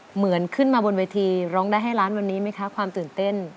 เหมือนขึ้นมาบนเวทีร้องได้ให้ล้านวันนี้ไหมคะความตื่นเต้น